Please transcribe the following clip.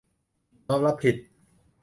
น้อมรับผิด